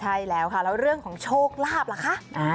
ใช่แล้วค่ะแล้วเรื่องของโชคลาภล่ะคะ